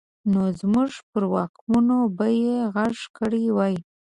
نو زموږ پر واکمنو به يې غږ کړی وای.